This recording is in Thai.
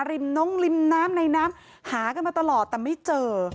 ริมน้องริมน้ำในน้ำหากันมาตลอดแต่ไม่เจอ